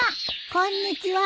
こんにちは。